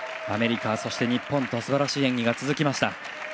アメリカ、そして日本とすばらしい演技が続きました。